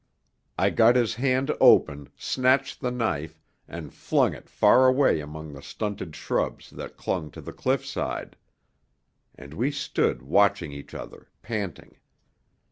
I got his hand open, snatched the knife, and flung it far away among the stunted shrubs that clung to the cliffside. And we stood watching each other, panting.